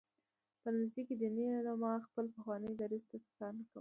په نتیجه کې دیني علما خپل پخواني دریځ ته ستانه شول.